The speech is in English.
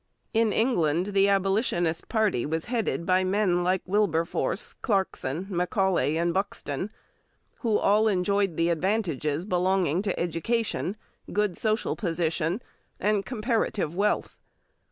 In England the Abolitionist party was headed by men like Wilberforce, Clarkson, Macaulay, and Buxton, who all enjoyed the advantages belonging to education, good social position, and comparative wealth.